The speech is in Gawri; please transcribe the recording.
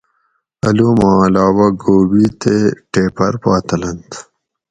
اۤلو ما علاوہ گوبی تے ٹیپر پا تلنت